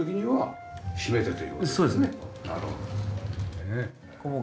はい。